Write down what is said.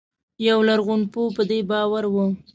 یو لرغونپوه په دې باور و.